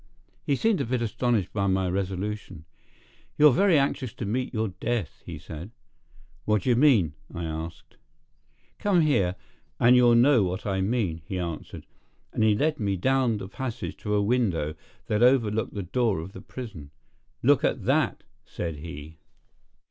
He seemed a bit astonished by my resolution. "You're very anxious to meet your death," he said. "What d'ye mean?" I asked. "Come here, and you'll know what I mean," he answered. And he led me down the passage to a window that overlooked the door of the prison. "Look at that!" said he.